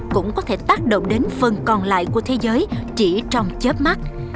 cũng có thể tác động đến phần còn lại của thế giới chỉ trong chớp mắt